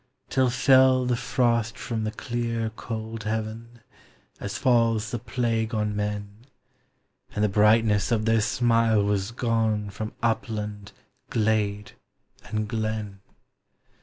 Till fell the frost from the clear cold heaven, as falls the plague on men. And the brightness of their smile was gone from upland, glade, and glen. TREES: FLOWERS: PLANTS.